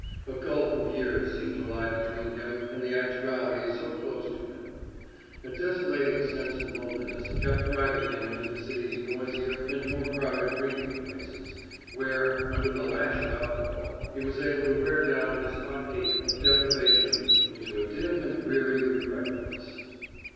A gulf of years seemed to lie between him and the actualities so close to him. A desolating sense of loneliness kept driving him into the city's noisier and more crowded drinking places, where, under the lash of alcohol, he was able to wear down his hot ache of deprivation into a dim and dreary regretfulness.